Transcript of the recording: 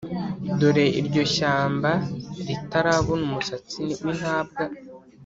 Dore iryo shyamba ritabona-Umusatsi w'intabwa.